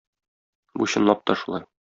Бу чынлап та шулай.